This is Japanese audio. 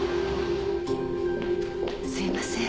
すいません。